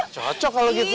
cocok kalau gini pak